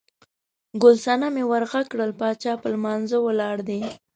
ګل صنمې ور غږ کړل، باچا په لمانځه ولاړ دی.